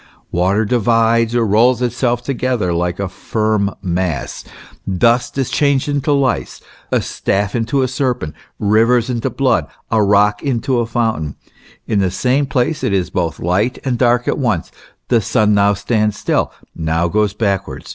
Water divides or rolls itself together like a firm mass, dust is changed into lice, a staff into a serpent, rivers into blood, a rock into a fountain ; in the same place it is both light and dark at once, the sun now stands still, now goes backward.